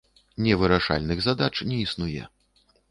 Невырашальных задач не існуе.